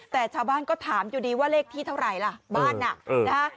แต่ชาวบ้านก็ถามอยู่ดีว่าเลขที่เท่าไหร่ล่ะบ้านน่ะนะฮะ